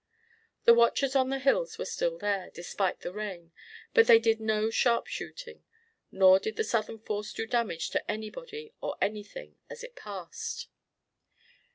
The watchers on the hills were still there, despite the rain, but they did no sharpshooting. Nor did the Southern force do damage to anybody or anything, as it passed.